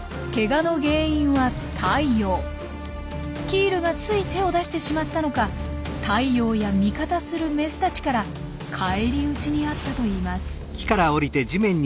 キールがつい手を出してしまったのかタイヨウや味方するメスたちから返り討ちにあったといいます。